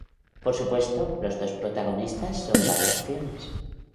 Por supuesto, los dos protagonistas son las opciones.